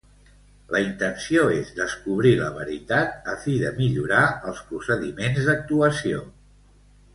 La intenció és descobrir la veritat, a fi de millorar els procediments d'actuació.